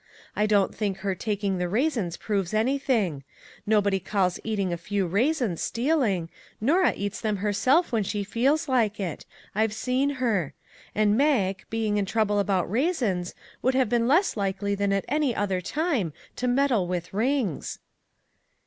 I don't think her taking the raisins proves anything. No I2O THINGS "WORKING TOGETHER" body calls eating a few raisins stealing ; Norah eats them herself when she feels like it; I've seen her ; and Mag, being in trouble about rais ins, would have been less likely than at any other time to meddle with rings."